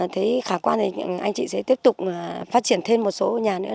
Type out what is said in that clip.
thấy khả quan thì anh chị sẽ tiếp tục phát triển thêm một số nhà nữa